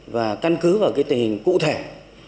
và căn cứ vào cái tài chính là cảnh sát biển việt nam